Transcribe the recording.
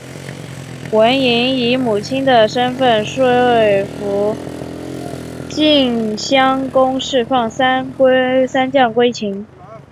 文嬴以母亲的身分说服晋襄公释放三将归秦。